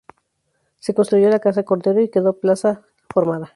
Se construyó la Casa Cordero y quedó la plaza formada.